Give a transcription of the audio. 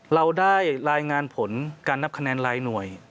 เราได้รายงานผลการนับคะแนนรายหน่วย